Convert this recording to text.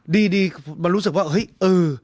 ดีมันรู้สึกว่าเฮ้ยเออ